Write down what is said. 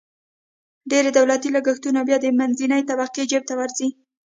ډېری دولتي لګښتونه بیا د منځنۍ طبقې جیب ته ورځي.